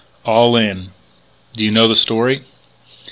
"All in." "Do you know the story?"